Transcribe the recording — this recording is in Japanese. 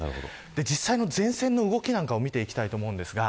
実際の前線の動きを見ていきたいと思います。